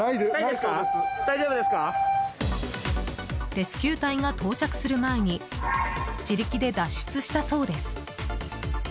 レスキュー隊が到着する前に自力で脱出したそうです。